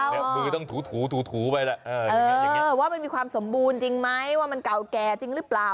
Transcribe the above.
มือต้องถูถูไปแหละว่ามันมีความสมบูรณ์จริงไหมว่ามันเก่าแก่จริงหรือเปล่า